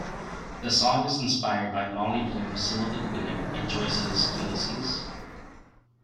The song is inspired by Molly Bloom's soliloquy in Joyce's "Ulysses".